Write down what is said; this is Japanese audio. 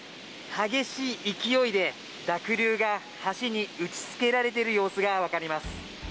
激しい勢いで濁流が橋に打ちつけられている様子が分かります。